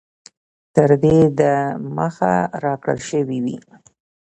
تر دې د مخه را كړل شوي وې